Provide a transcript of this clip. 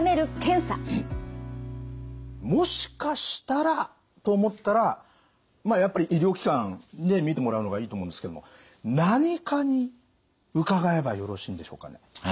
もしかしたらと思ったらやっぱり医療機関で診てもらうのがいいと思うんですけども何科に伺えばよろしいんでしょうかね？